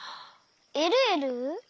えるえる！